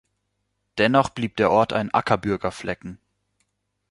Dennoch blieb der Ort ein Ackerbürger-Flecken.